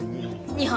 ２本。